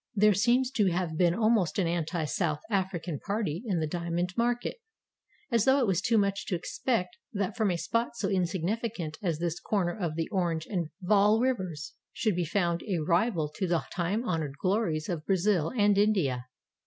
There seems to have been almost an Anti South African party in the diamond market, as though it was too much to expect that from 'a spot so insignificant as this corner of the Orange and Vaal Rivers should be found a rival to the time honored glories of Brazil and India.